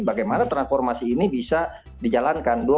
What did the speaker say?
bagaimana transformasi ini bisa dijalankan